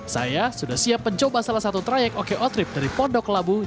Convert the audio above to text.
saya sudah siap mencoba salah satu trayek oko trip dari pondok labu